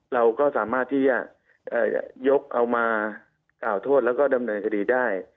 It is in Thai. เราก็สามารถที่จะยกเอามากล่าวโทษแล้วก็ดำเนินคดีได้